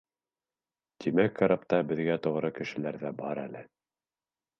Тимәк, карапта беҙгә тоғро кешеләр ҙә бар әле!